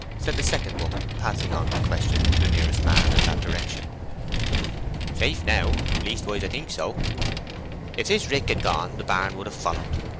said the second woman, passing on the question to the nearest man in that direction. "Safe now—leastwise I think so. If this rick had gone the barn would have followed.